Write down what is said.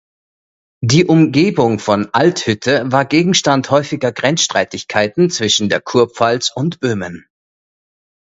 Die Umgebung von Althütte war Gegenstand häufiger Grenzstreitigkeiten zwischen der Kurpfalz und Böhmen.